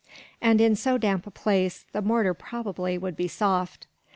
And in so damp a place, the mortar probably would be soft.